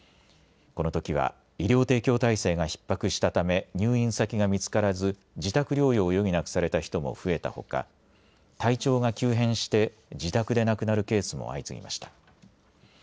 このときは医療提供体制がひっ迫したため入院先が見つからず自宅療養を余儀なくされた人も増えたほか体調が急変して自宅で亡くなるケースも相次ぎました。